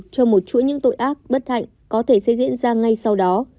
cho một chuỗi những tội ác bất hạnh có thể sẽ diễn ra ngay sau đó